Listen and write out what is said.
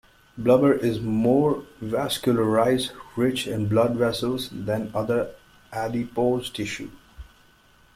Blubber is more vascularized-rich in blood vessels-than other adipose tissue.